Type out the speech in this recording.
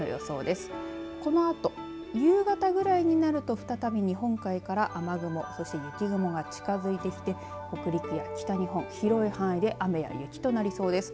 このあと夕方ぐらいになると再び、日本海から雨雲、そして雪雲が近づいてきて北陸や北日本、広い範囲で雨や雪となりそうです。